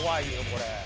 これ。